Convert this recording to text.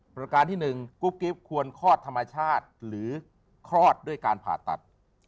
ประการที่๑กุ๊บกิ๊บควรคลอดธรรมชาติหรือคลอดด้วยการผ่าตัด